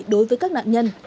đối với các nạn nhân